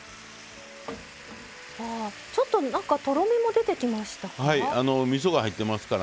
ちょっととろみも出てきましたか？